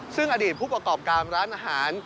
ซึ่งอดีตผู้ประกอบการร้านอาหาร